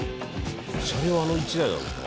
車両あの１台なんですか？